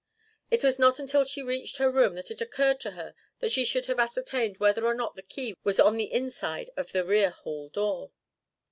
It was not until she reached her room that it occurred to her that she should have ascertained whether or not the key was on the inside of the rear hall door.